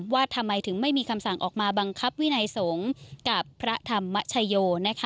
ว่าทำไมถึงไม่มีคำสั่งออกมาบังคับวินัยสงฆ์กับพระธรรมชโย